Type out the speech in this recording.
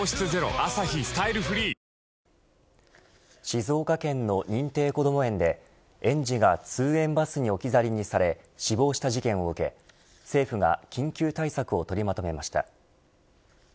静岡県の認定こども園で園児が通園バスに置き去りにされ死亡した事件を受け、政府が緊急対策を取りまとめました。